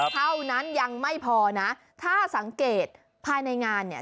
เท่านั้นยังไม่พอนะถ้าสังเกตภายในงานเนี่ย